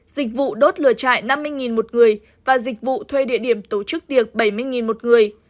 dịch vụ đốt lửa trại năm mươi k một người và dịch vụ thuê địa điểm tổ chức tiệc bảy mươi k một người